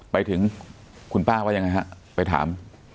ไปถึงคุณป้าว่ายังไงฮะไปถาม